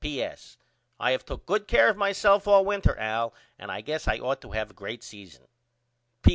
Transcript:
P.S. I have took good care of myself all winter Al and I guess I ought to have a great season.